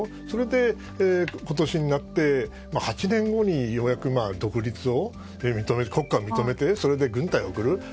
それで、今年になって８年後にようやく独立を認めて、それで軍隊を送る。